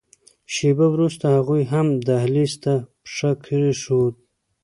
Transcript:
شېبه وروسته هغوی هم دهلېز ته پښه کېښوده.